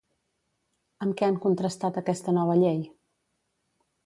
Amb què han contrastat aquesta nova llei?